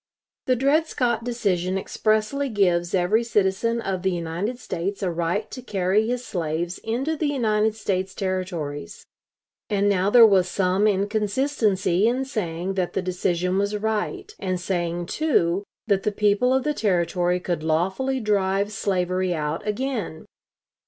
The Dred Scott decision expressly gives every citizen of the United States a right to carry his slaves into the United States Territories. And now there was some inconsistency in saying that the decision was right, and saying, too, that the people of the Territory could lawfully drive slavery out again.